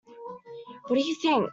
What did you think?